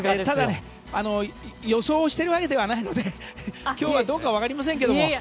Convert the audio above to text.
ただ予想しているわけではないので今日はどうかわかりませんけども。